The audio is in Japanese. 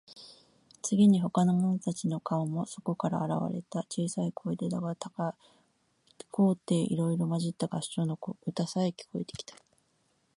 次に、ほかの者たちの顔もそこから現われた。小さい声でだが、高低いろいろまじった合唱の歌さえ、聞こえてきた。